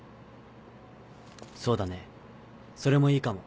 そうだねそれもいいかも。